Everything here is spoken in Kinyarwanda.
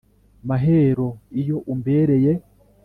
Mahero iyo umbereye